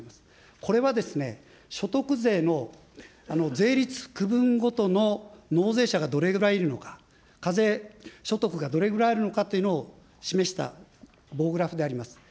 これは所得税の税率区分ごとの納税者がどれぐらいいるのか、課税所得がどれぐらいあるのかというのを示した棒グラフであります。